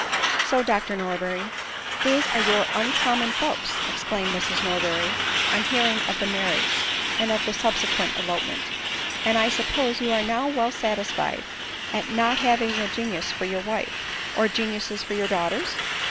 " So, Dr Norberry, these are your uncommon folks !" exclaimed Mrs Norberry on hearing of the marriage and of the subsequent elopement ;" I suppose you are now well satisfied at not having a genius for your wife, or geniuses for your daughters